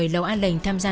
lẩu an lành tham gia